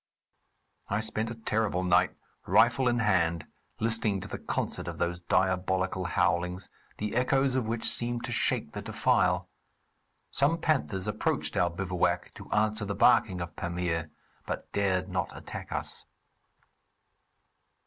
I spent a terrible night, rifle in hand, listening to the concert of those diabolical howlings, the echoes of which seemed to shake the defile. Some panthers approached our bivouac to answer the barking of Pamir, but dared not attack us.